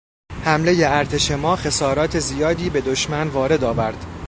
حملهٔ ارتش ما خسارات زیادی به دشمن وارد آورد.